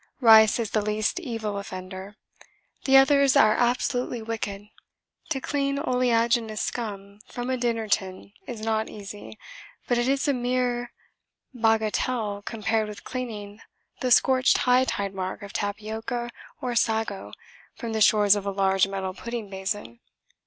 Rice is the least evil offender. The others are absolutely wicked. To clean oleaginous scum from a dinner tin is not easy, but it is a mere bagatelle compared with cleaning the scorched high tide mark of tapioca or sago from the shores of a large metal pudding basin.